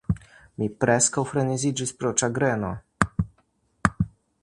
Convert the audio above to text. Mi preskaŭ freneziĝis pro ĉagreno.